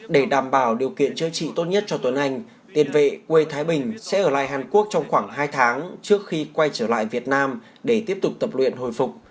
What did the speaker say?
để đảm bảo điều kiện chữa trị tốt nhất cho tuấn anh tiền vệ quê thái bình sẽ ở lại hàn quốc trong khoảng hai tháng trước khi quay trở lại việt nam để tiếp tục tập luyện hồi phục